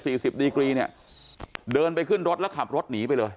สิบดีกรีเนี่ยเดินไปขึ้นรถแล้วขับรถหนีไปเลย